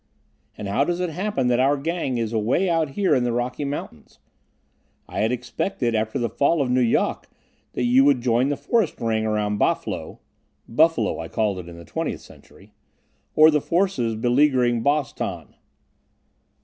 "And how does it happen that our gang is away out here in the Rocky Mountains? I had expected, after the fall of Nu Yok, that you would join the forest ring around Bah Flo (Buffalo I called it in the Twentieth Century) or the forces beleaguering Bos Tan."